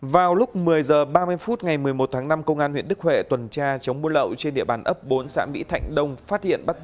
vào lúc một mươi giờ ba mươi phút ngày một mươi một tháng năm công an huyện đức huệ tuần tra chống buôn lậu trên địa bàn ấp bốn